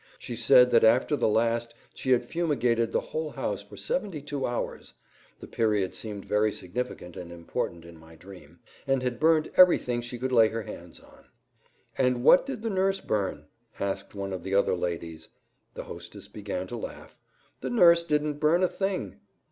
She said that after the last she had fumigated the whole house for seventy two hours (the period seemed very significant and important in my dream), and had burned everything she could lay her hands on. "And what did the nurse burn?" asked one of the other ladies. The hostess began to laugh. "The nurse didn't burn a thing!"